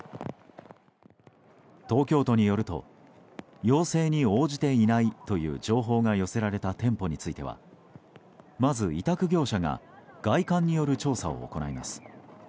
東京都によると要請に応じていないという情報が寄せられた店舗についてはまず、委託業者が外観による調査を行います。